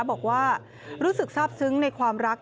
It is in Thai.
บอกว่ารู้สึกทราบซึ้งในความรัก